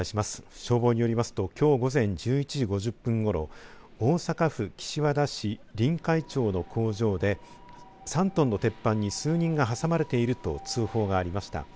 消防によりますときょう午前１１時５０分ごろ大阪府岸和田市臨海町の工場で３トンの鉄板に数人が挟まれていると通報がありました。